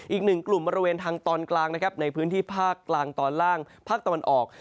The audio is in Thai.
อีกหนึ่งกลุ่มบริเวณทางตอนกลางนะครับในพื้นที่ภาคกลางตอนล่างภาคตะวันออก